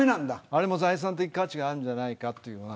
あれも財産的価値があるんじゃないかと。